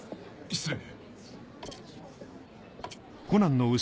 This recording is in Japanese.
失礼。